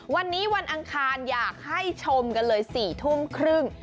วันนี้วันอังคารอยากให้ชมกันเลย๔ทุ่มครึ่ง